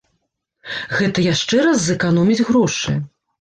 Гэта яшчэ раз зэканоміць грошы.